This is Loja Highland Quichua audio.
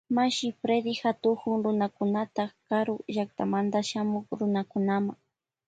Mashi Fredy katukun Ruanakunata karu llaktamanta shamuk Runakunama.